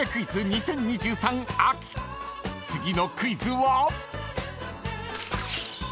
［次のクイズは］